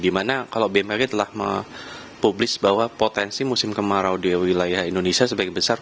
dimana kalau bmkg telah mempublis bahwa potensi musim kemarau di wilayah indonesia sebagian besar